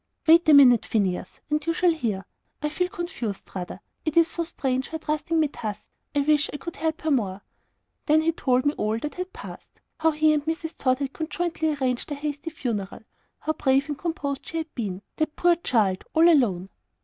"Wait a minute, Phineas, and you shall hear; I feel confused, rather. It is so strange, her trusting me thus. I wish I could help her more." Then he told me all that had passed how he and Mrs. Tod had conjointly arranged the hasty funeral how brave and composed she had been that poor child, all alone!